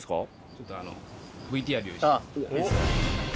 ちょっと、ＶＴＲ用意してます。